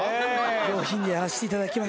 上品にやらしていただきました。